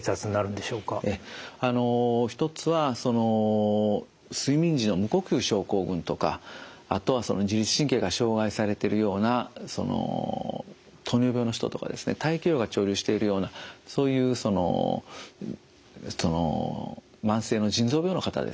あの一つは睡眠時の無呼吸症候群とかあとは自律神経が障害されてるような糖尿病の人とかですねその慢性の腎臓病の方ですね